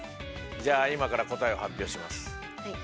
じゃあ今から答えを発表します。